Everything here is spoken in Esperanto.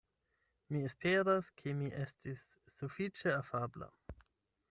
Mi esperas ke mi estis sufiĉe afabla.